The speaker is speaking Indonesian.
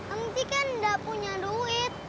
angti kan enggak punya duit